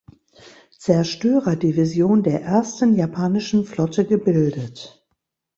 Zerstörerdivision der ersten japanischen Flotte gebildet.